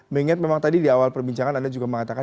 mengingat memang tadi di awal perbincangan anda juga mengatakan